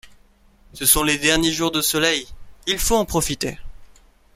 Ce sont les derniers jours de soleil ; il faut en profiter.